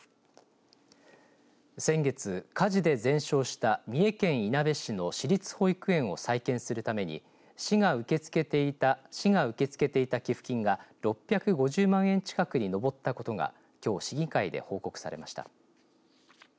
先月、火事で全焼した三重県いなべ市の市立保育園を再建するために市が受け付けていた給付金が６５０万円近くに上ったことがきょう市議会が報告されました。